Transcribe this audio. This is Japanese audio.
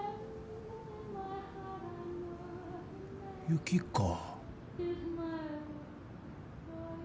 雪か。